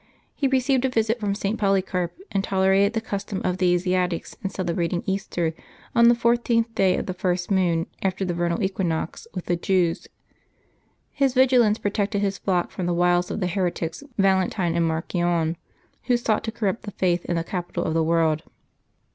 He received a visit from St. Polycarp, and tolerated the custom of the Asiatics in cele brating Easter on the 14th day of the first moon after the vernal equinox, with the Jews. His vigilance protected his flock from the wiles of the heretics Valentine and Marcion, who sought to corrupt the faith in the capital of the world.